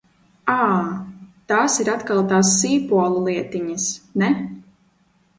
Ā, tās ir atkal tās sīpolu lietiņas, ne?